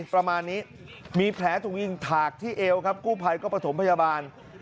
ประมาณนี้มีแผลถูกยิงถากที่เอวครับกู้ภัยก็ประถมพยาบาล